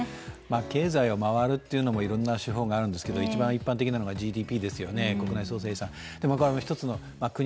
経済が回るというのもいろんな手法があるんですが一番一般的なのがＧＤＰ＝国内総生産ですよね。